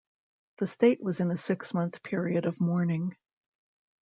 The state was in a six-month period of mourning.